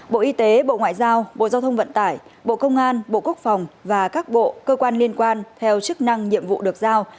bộ y tế bộ ngoại giao bộ giao thông vận tải bộ công an bộ quốc phòng và các bộ cơ quan liên quan theo chức năng nhiệm vụ được giao